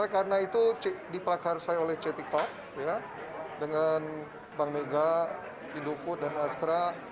karena itu dipelakar saya oleh ctcoc dengan bank mega indofood dan astra